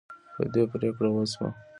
په دې پریکړه وشوه.